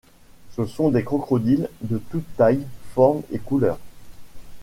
Ce sont des crocodiles de toutes tailles, formes et couleurs.